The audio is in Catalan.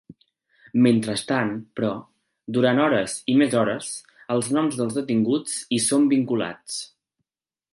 Mentrestant, però, durant hores i més hores, els noms dels detinguts hi són vinculats.